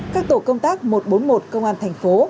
các tổ công tác một trăm bốn mươi một công an thành phố